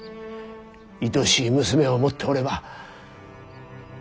いとしい娘を持っておれば。